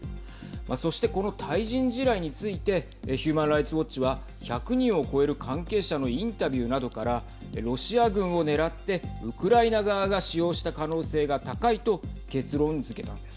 そして、この対人地雷についてヒューマン・ライツ・ウォッチは１００人を超える関係者のインタビューなどからロシア軍を狙ってウクライナ側が使用した可能性が高いと結論づけたのです。